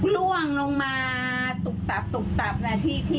ร่วงลงมาตุ๊กตับที่มาที่นี่